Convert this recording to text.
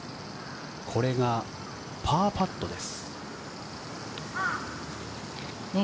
これがパーパットです。